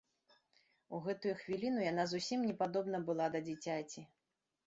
У гэтую хвіліну яна зусім не падобна была да дзіцяці.